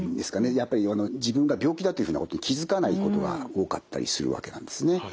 やっぱり自分が病気だというふうなことに気付かないことが多かったりするわけなんですね。